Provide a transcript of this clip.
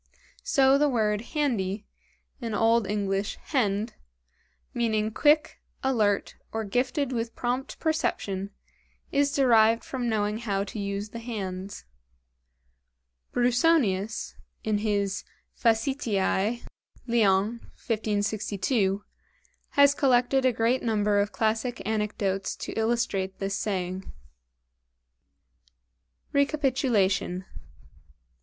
So the word handy, in old English hend, meaning quick, alert, or gifted with prompt perception, is derived from knowing how to use the hands. BRUSONIUS ("Facetiæ," Lyons, 1562) has collected a great number of classic anecdotes to illustrate this saying. Recapitulation.